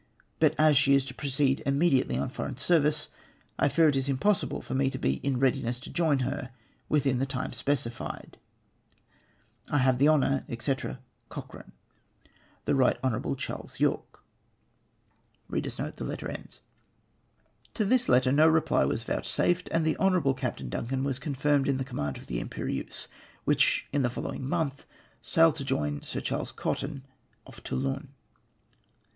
But as she is to proceed immediately on foreign service, I fear it is impossible for me to be in readiness to join her within the time specified. " I have the honour, &c., " Cochrane. " The Riglit Hon. Chas. Yorke." To this letter no reply was vouchsafed, and the Honourable CJaptain Dinican was confirmed in the command of the Impeneuse, which in the following month sailed to join Sir Charles Cotton off Tonlon.